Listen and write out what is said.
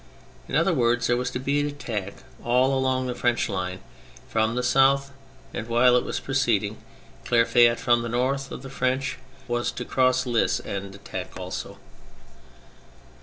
In other words, there was to be an attack all along the French line from the south, and whUe it was proceeding, Clerfayt, from the north of the French, was to cross the Lys and attack also.